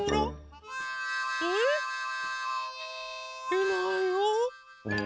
いないよ。